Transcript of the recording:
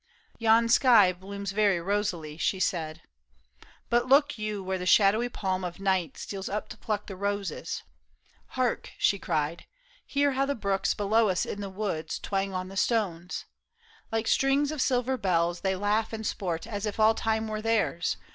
" Yon sky blooms very rosily," she said, " But look you where the shadowy palm of night Steals up to pluck its roses. Hark," she cried, ^* Hear how the brooks below us in the woods Twang on the stones ! Like strings of silver bells They laugh and sport as if all time were theirs.